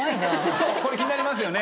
そうこれ気になりますよね。